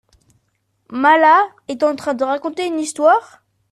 Mala est en train de raconter une histoire ?